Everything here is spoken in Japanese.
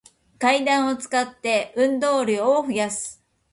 階段を使って、運動量を増やす